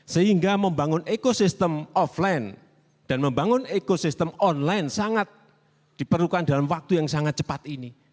sehingga membangun ekosistem offline dan membangun ekosistem online sangat diperlukan dalam waktu yang sangat cepat ini